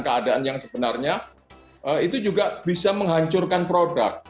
keadaan yang sebenarnya itu juga bisa menghancurkan produk